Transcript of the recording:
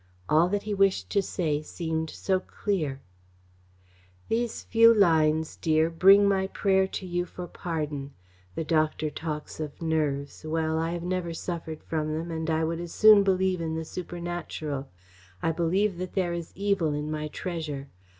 All that he wished to say seemed so clear: These few lines, dear, bring my prayer to you for pardon. The doctor talks of nerves. Well, I never suffered from them, and I would as soon believe in the supernatural. I believe that there is evil in my treasure.